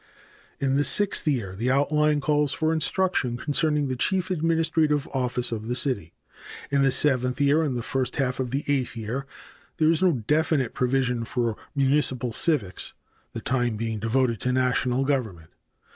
In the sixth year the outline calls for instruction concerning the chief administrative office of the city. In the seventh year and the first half of the eighth year there is no definite provision for municipal civics, the time being devoted to national government.